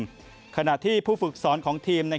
การทำทีมขนาดที่ผู้ฝึกสอนของทีม